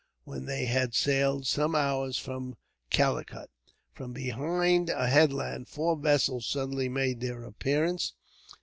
When they had sailed some hours from Calicut, from behind a headland, four vessels suddenly made their appearance.